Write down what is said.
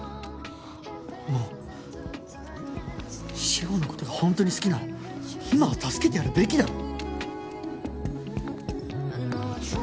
もう志法の事が本当に好きなら今は助けてやるべきだろ。